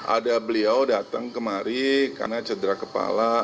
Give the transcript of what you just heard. ada beliau datang kemari karena cedera kepala